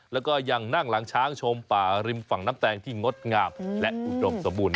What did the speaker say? แล้วก็ยังนั่งหลังช้างชมป่าริมฝั่งน้ำแตงที่งดงามและอุดมสมบูรณ